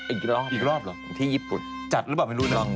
อีกรอบเหรอที่ญี่ปุ่นจัดรึเปล่าไม่รู้หนึ่ง